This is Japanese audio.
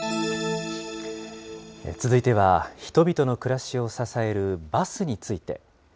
続いては、人々の暮らしを支えるバスについて。